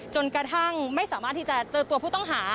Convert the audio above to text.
จนกระทั่งไม่สามารถที่จะเจอตัวผู้ต้องหา